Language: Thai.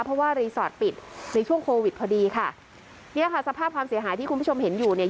เพราะว่ารีสอร์ทปิดในช่วงโควิดพอดีค่ะเนี่ยค่ะสภาพความเสียหายที่คุณผู้ชมเห็นอยู่เนี่ย